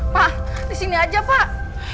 pak di sini aja pak